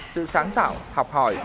sự sáng tạo học hỏi